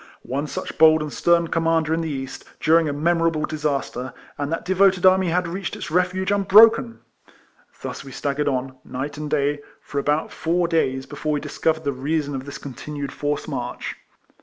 One such bold and stern commander in the East, during a memorable disaster, and that devoted army had reached its refuge unbroken ! Thus we staggered on, night and day, for about four days, before we discovered the reason of this continued forced march.